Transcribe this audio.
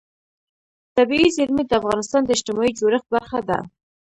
طبیعي زیرمې د افغانستان د اجتماعي جوړښت برخه ده.